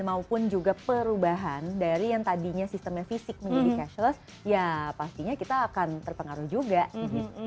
maupun juga perubahan dari yang tadinya sistemnya fisik menjadi cashless ya pastinya kita akan terpengaruh juga gitu